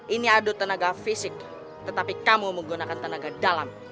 ini adu tenaga fisik tetapi kamu menggunakan tenaga dalam